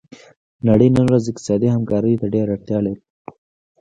نړۍ نن ورځ اقتصادي همکاریو ته ډیره اړتیا لري